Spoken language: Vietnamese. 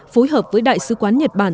phối hợp với đại sứ quán nhật bản